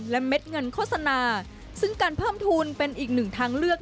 และเม็ดเงินโฆษณาซึ่งการเพิ่มทุนเป็นอีกหนึ่งทางเลือก